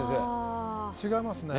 違いますね。